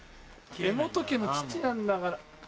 柄本家の父なんだから。